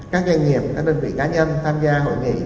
các doanh nghiệp các đơn vị cá nhân tham gia hội nghị